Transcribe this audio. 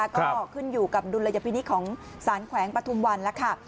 แล้วก็ออกขึ้นอยู่กับดุลยพินิกของสารแขวงปธุมวันแล้วค่ะ